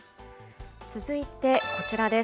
続いてこちらです。